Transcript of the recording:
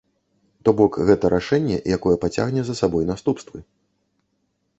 То бок гэта рашэнне, якое пацягне за сабой наступствы.